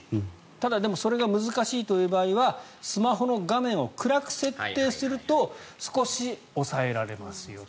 ただ、それが難しいという場合はスマホの画面を暗く設定すると少し抑えられますよと。